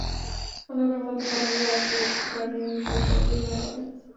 অন্ধকারের মধ্যে সমস্ত রাত্রি একটি প্রাণীর নিশ্বাসের শব্দ শুনা গেল।